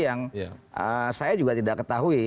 yang saya juga tidak ketahui